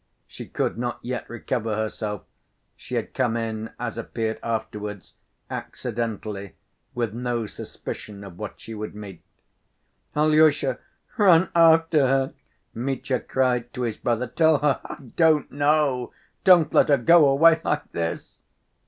She could not yet recover herself. She had come in, as appeared afterwards, accidentally, with no suspicion of what she would meet. "Alyosha, run after her!" Mitya cried to his brother; "tell her ... I don't know ... don't let her go away like this!"